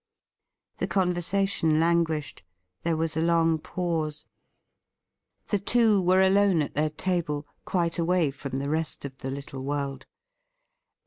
The conversation languished. There was a long pause. WHAT WALEY DID WITH HIMSELF 849 The two were alone at their table, quite away from the rest of the little world.